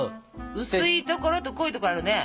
薄いところと濃いところがあるね。